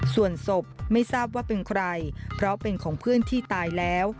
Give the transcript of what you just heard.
ส่วนศพไม่ทราบว่าเป็นใครเพราะเป็นของเพื่อนที่ตายแล้ว